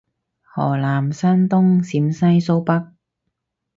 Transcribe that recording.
河南山東陝西蘇北